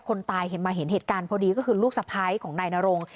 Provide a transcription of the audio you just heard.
คนตายเห็นมาเห็นเหตุการณ์พอดีก็คือลูกสะพ้ายของนายนรง